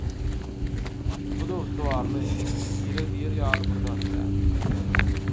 Bu-da ygtybarly, direg diýer ýaly bir zat däl.